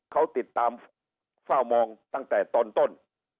เขาติดตามเฝ้ามองตั้งแต่ตอนต้น